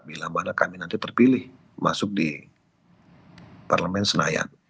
bila mana kami nanti terpilih masuk di parlemen senayan